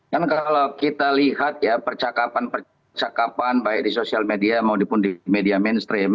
kan kalau kita lihat ya percakapan percakapan baik di sosial media maupun di media mainstream